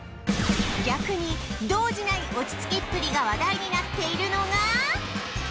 逆に動じない落ち着きっぷりが話題になっているのが